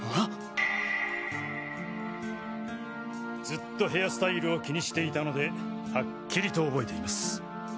ずっとヘアスタイルを気にしていたのでハッキリと覚えています。